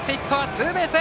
ツーベース。